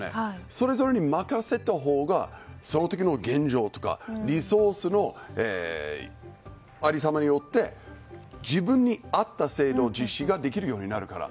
それぞれに任せたほうがその時の現状やリソースのありようによって自分に合った制度の実施ができるようになるから。